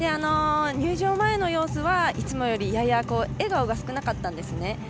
入場前の様子はいつもより、やや笑顔が少なかったんですね。